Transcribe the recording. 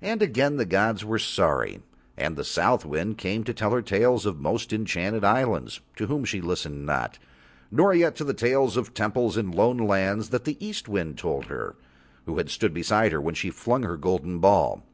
And again the gods were sorry, and the South Wind came to tell her tales of most enchanted islands, to whom she listened not, nor yet to the tales of temples in lone lands that the East Wind told her, who had stood beside her when she flung her golden ball.